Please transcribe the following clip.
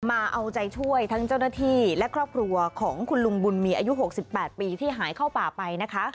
มาเอาใจช่วยทั้งเจ้าหน้าที่และครอบครัวของคุณลุงบุญมีอายุ๖๘ปีที่หายเข้าป่าไปนะคะ